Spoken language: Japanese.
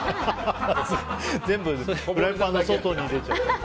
全部、フライパンの外に出ちゃって。